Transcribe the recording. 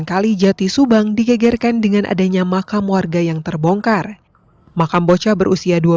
kalijati subang digegerkan dengan adanya makam warga yang terbongkar makam bocah berusia